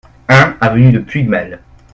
un avenue du Puigmal